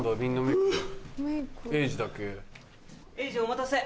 えいじお待たせ。